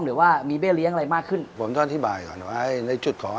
หรือว่ามีเบี้ยเลี้ยงอะไรมากขึ้นผมต้องอธิบายก่อนว่าไอ้ในจุดของ